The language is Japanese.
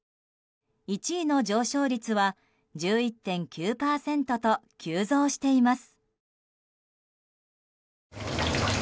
１位の上昇率は１１．９％と急増しています。